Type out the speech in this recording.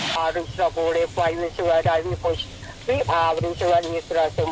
ขอบบริสุทธิ์ที่ช่วยด้วยกัน